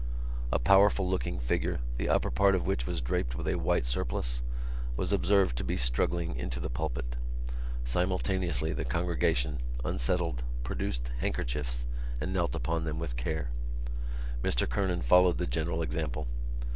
A powerful looking figure, the upper part of which was draped with a white surplice, was observed to be struggling up into the pulpit. Simultaneously the congregation unsettled, produced handkerchiefs and knelt upon them with care. Mr Kernan followed the general example.